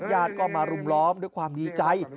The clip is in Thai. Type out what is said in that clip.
ญาติก็มารุมล้อมด้วยความดีใจ